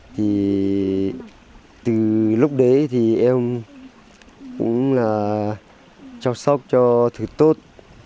thì từ lúc đấy thì em cũng là chào sốc cho thứ tốt